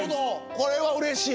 これはうれしい。